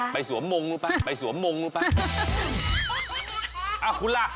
ไปไปสวมมงค์นู้นไปคุณล่ะ